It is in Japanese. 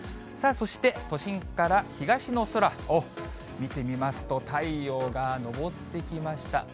さあ、そして都心から東の空を見てみますと、太陽が昇ってきました。